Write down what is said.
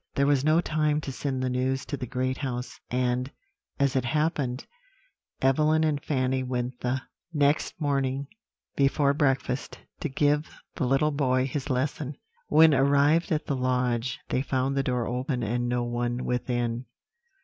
There was no time to send the news to the great house; and, as it happened, Evelyn and Fanny went the next morning, before breakfast, to give the little boy his lesson. When arrived at the lodge, they found the door open and no one within.